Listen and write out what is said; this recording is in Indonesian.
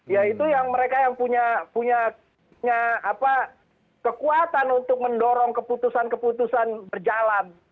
ya itu yang mereka yang punya kekuatan untuk mendorong keputusan keputusan berjalan